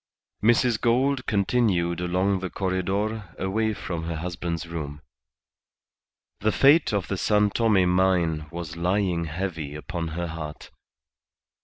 Mrs. Gould continued along the corredor away from her husband's room. The fate of the San Tome mine was lying heavy upon her heart.